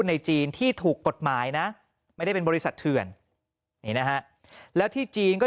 ในจีนที่ถูกกฎหมายนะไม่ได้เป็นบริษัทเถื่อนนี่นะฮะแล้วที่จีนก็